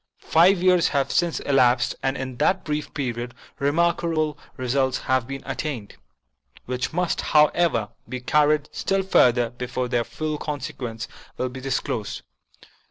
Five years have since elapsed, and in that brief period remarkable results have been attained, which must, however, be carried still further before their full consequence will be disclosed.